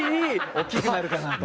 大っきくなるかな？と。